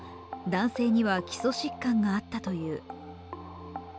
男性には基礎疾患があったという。